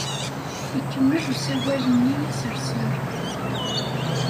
Ikemmel usawal-nni asserser.